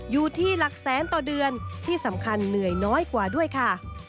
อยู่ที่หลักแสนต่อเดือนที่สำคัญเหนื่อยน้อยกว่าด้วยค่ะ